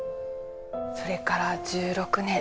それから１６年。